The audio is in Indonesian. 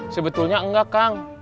sebetulnya enggak kang